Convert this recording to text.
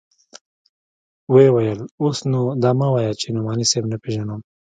ويې ويل اوس نو دا مه وايه چې نعماني صاحب نه پېژنم.